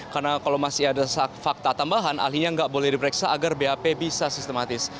karena kalau masih ada fakta tambahan ahlinya nggak boleh diperiksa agar bap bisa sistematis